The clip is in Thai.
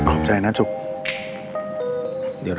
โอ๙๓ตั้งคุณ